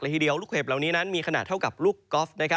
ลูกเห็บเหล่านี้มีขนาดเท่ากับลูกกอล์ฟ